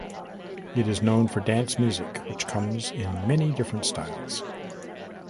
It is known for dance music, which comes in many different styles.